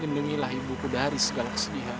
lindungilah ibu ku dari segala kesedihan